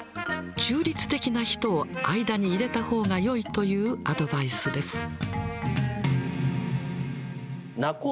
中立的な人を間に入れたほうがよいというアドバイスです。